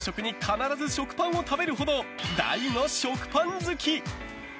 実は岩井朝食に必ず食パンを食べるほど大の食パン好き！